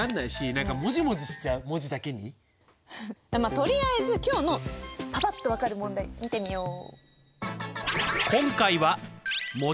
とりあえず今日のパパっと分かる問題見てみよう。